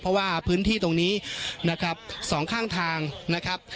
เพราะว่าพื้นที่ตรงนี้นะครับสองข้างทางนะครับ